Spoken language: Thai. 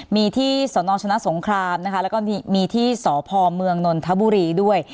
มีที่สนชนะสงครามนะคะแล้วก็มีที่สพเมืองนนทบุรีด้วย